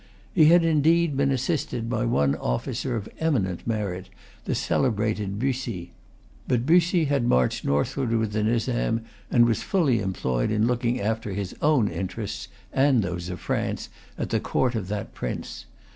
He had indeed been assisted by one officer of eminent merit, the celebrated Bussy. But Bussy had marched northward with the Nizam, and was fully employed in looking after his own interests, and those of France, at the court of that prince.